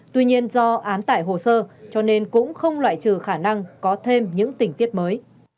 tuy nhiên do án tải hồ sơ cho nên cũng không loại trừ khả năng có thêm những tình tiết mới